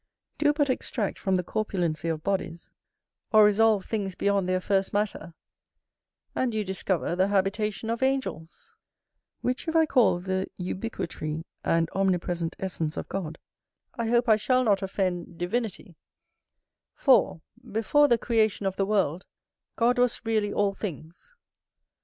Do but extract from the corpulency of bodies, or resolve things beyond their first matter, and you discover the habitation of angels; which if I call the ubiquitary and omnipresent essence of God, I hope I shall not offend divinity: for, before the creation of the world, God was really all things.